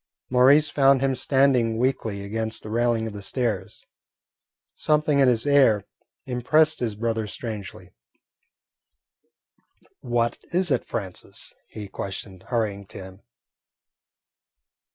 Maurice found him standing weakly against the railing of the stairs. Something in his air impressed his brother strangely. "What is it, Francis?" he questioned, hurrying to him.